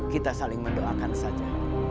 kita saling mendoakan saja